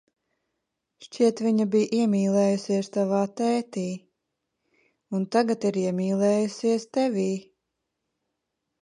Šķiet, viņa bija iemīlējusies tavā tētī un tagad ir iemīlējusies tevī.